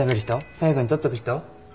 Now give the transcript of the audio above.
最後にとっとく人？